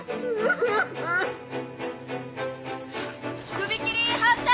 首切り反対！